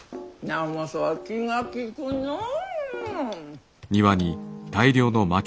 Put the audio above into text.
直政は気が利くのう。